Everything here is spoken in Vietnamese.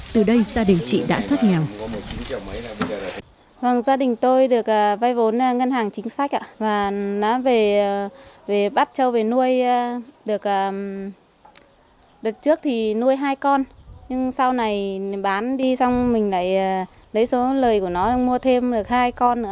từ đây gia đình chị đã thoát nghèo